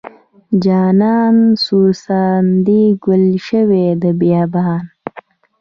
جانان سور ساندې ګل شوې د بیابان.